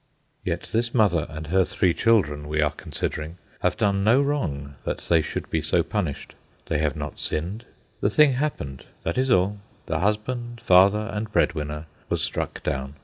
Yet this mother and her three children we are considering have done no wrong that they should be so punished. They have not sinned. The thing happened, that is all; the husband, father and bread winner, was struck down.